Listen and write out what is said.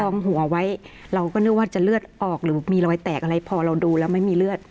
หัวไว้เราก็นึกว่าจะเลือดออกหรือมีรอยแตกอะไรพอเราดูแล้วไม่มีเลือด